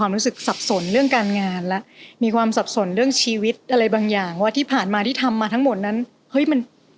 เหมือนเขาหยุดเวลาไว้ที่อัลบั้มมาเล